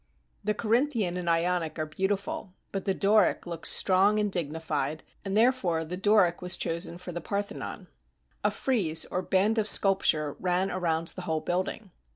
The Corinthian and Ionic are beautiful, but the Doric looks strong and digni fied; and therefore the Doric was chosen for the Par thenon. A frieze, or band of sculpture, ran around the whole building.